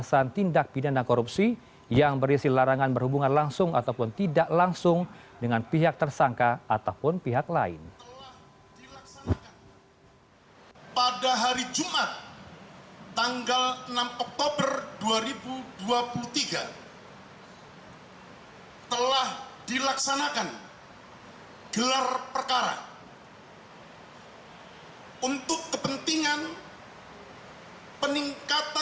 foto tersebut juga telah melanggar undang undang tentang komisinya